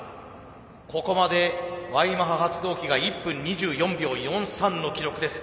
ここまでＹマハ発動機が１分２４秒４３の記録です。